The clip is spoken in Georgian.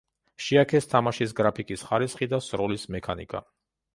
შეაქეს თამაშის გრაფიკის ხარისხი და სროლის მექანიკა.